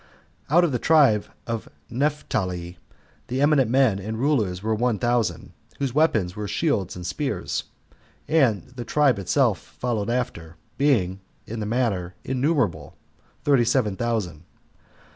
Out of the tribe of Naphtali the eminent men and rulers were one thousand, whose weapons were shields and spears, and the tribe itself followed after, being [in a manner] innumerable [thirty seven thousand].